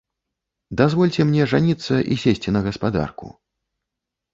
Дазвольце мне жаніцца і сесці на гаспадарку.